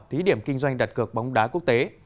thí điểm kinh doanh đặt cược bóng đá quốc tế